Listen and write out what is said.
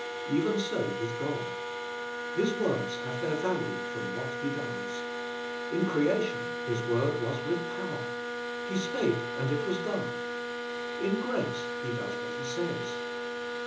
Even so with God. His words have their value from what He does. In creation His word was with power: He spake and it was done. In grace He does what He says.